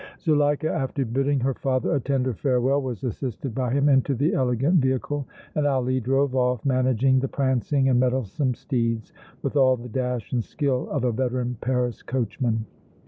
Zuleika, after bidding her father a tender farewell, was assisted by him into the elegant vehicle and Ali drove off, managing the prancing and mettlesome steeds, with all the dash and skill of a veteran Paris coachman.